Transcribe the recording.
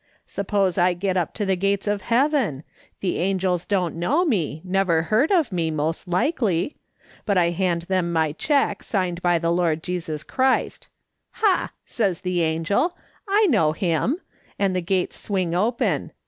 Suppose I get up to the gates of heaven ? The angels don't know me, never heard of me, most likely; but I hand them my cheque signed by the Lord Jesus Christ. * Ha! ' says the angel, ' I know him,' and the gates swing open.